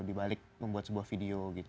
dibalik membuat sebuah video gitu